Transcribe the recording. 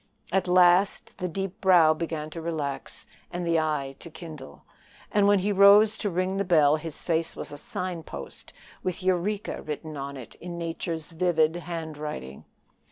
At last the deep brow began to relax, and the eye to kindle; and when he rose to ring the bell his face was a sign post with Eureka written on it in Nature's vivid handwriting.